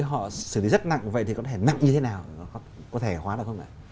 họ xử lý rất nặng vậy thì có thể nặng như thế nào có thể hóa được không ạ